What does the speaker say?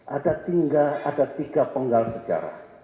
ada tiga penggal sejarah